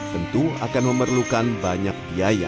tentu akan memerlukan banyak biaya